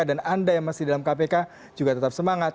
dan anda yang masih dalam kpk juga tetap semangat